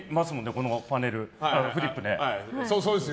このパネル、フリップね。